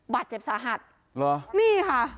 บาดเจ็บสาหัสนี่ค่ะ